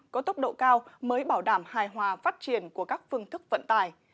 có tốc độ cao mới bảo đảm hài hòa phát triển của các phương thức vận tải